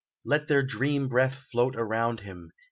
Let their dream breath float around him.